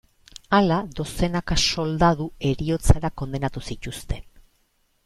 Hala, dozenaka soldadu heriotzara kondenatu zituzten.